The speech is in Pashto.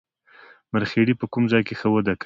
مرخیړي په کوم ځای کې ښه وده کوي